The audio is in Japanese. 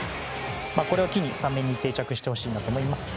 これを機に、スタメンに定着してほしいなと思います。